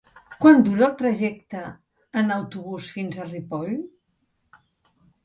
Quant dura el trajecte en autobús fins a Ripoll?